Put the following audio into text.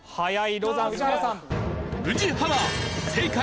ロザン宇治原さん。